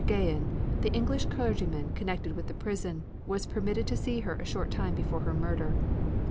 Gahan, the English clergyman connected with the prison, was permitted to see her a short time before her murder.